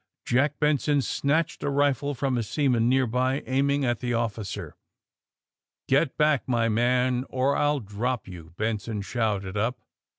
Jack Benson snatched a rifle from a seaman nearby, aiming at the officer. ^*Get back, my man, or I'll drop you!" Ben son shouted up.